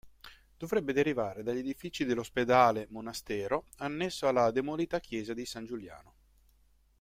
Dovrebbe derivare dagli edifici dell'ospedale-monastero annesso alla demolita chiesa di San Giuliano.